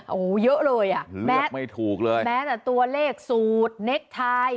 โอ้โหเยอะเลยอ่ะไม่ถูกเลยแม้แต่ตัวเลขสูตรเนคทาย